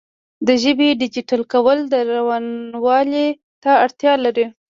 د ژبې ډیجیټل کول روانوالي ته اړتیا لري.